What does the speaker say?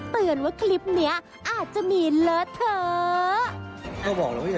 เตือนว่าคลิปนี้อาจจะมีเลอะเถอะ